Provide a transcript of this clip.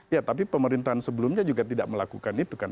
ya tapi pemerintahan sebelumnya juga tidak melakukan itu kan